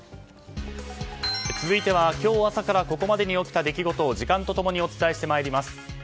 続いては今日朝からここまでに起きた出来事を時間と共にお伝えしてまいります。